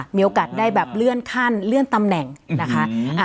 มีโอกาสได้แบบเลื่อนขั้นเลื่อนตำแหน่งนะคะ